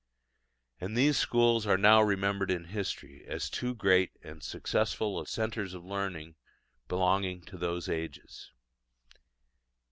And these schools are now remembered in history as two great and successful centres of learning belonging to those ages.